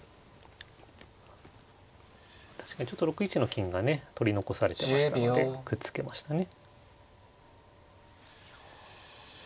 確かにちょっと６一の金がね取り残されてましたのでくっつけましたね。